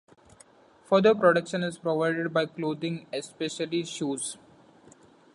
Further protection is provided by clothing, especially shoes.